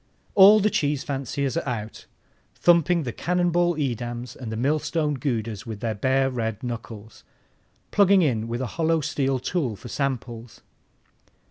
All the cheese fanciers are out, thumping the cannon ball Edams and the millstone Goudas with their bare red knuckles, plugging in with a hollow steel tool for samples.